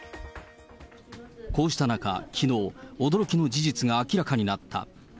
こうした中、きのう、驚きの事実が明らかになった。